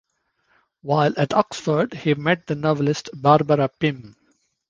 While at Oxford he met the novelist Barbara Pym.